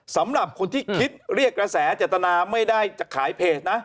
สำหรับคนที่คิดเรียกกระแสเจตนาไม่ได้จะขายเพจนะ